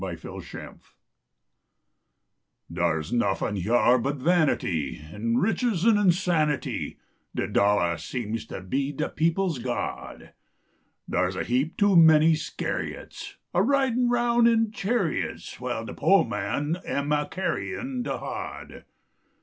A CASUAL OBSERVATION Dar s nuffin hyar but vanity An riches an insanity ; De dollah seems to be de people s god. Dar s a heap too many Scariots A ridin roun in chariots, AVhile de po man am a carryin de hod.